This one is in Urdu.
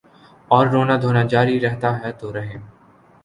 اوررونا دھونا جاری رہتاہے تو رہے۔